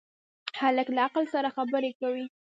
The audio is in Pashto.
هلک له عقل سره خبرې کوي.